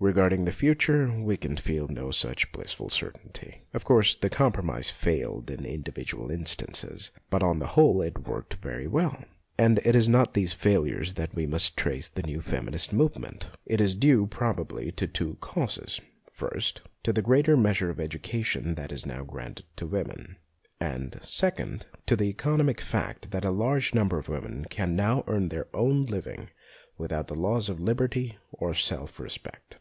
Regard ing the future we can feel no such blissful certainty. Of course, the compromise failed in indi vidual instances, but on the whole it worked very well, and it is not to these failures that we must trace the new feminist move ment. It is due probably to two causes ; first, to the greater measure of education that is nowadays granted to women, and, second, to the economic fact that a large number of women can now earn their own living with out loss of liberty or self respect.